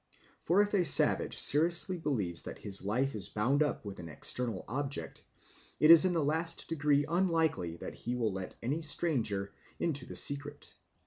For if a savage seriously believes that his life is bound up with an external object, it is in the last degree unlikely that he will let any stranger into the secret.